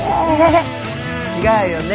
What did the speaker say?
違うよね？